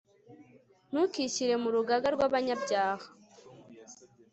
ntukishyire mu rugaga rw'abanyabyaha